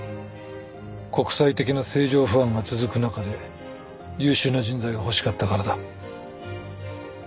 国際的な政情不安が続く中で優秀な人材が欲しかったからだ。